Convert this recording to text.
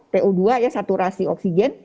po dua ya saturasi oksigen